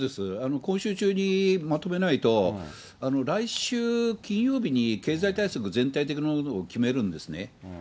今週中にまとめないと、来週金曜日に経済対策、全体的なことを決めるんですね。